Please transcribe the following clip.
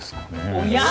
おや？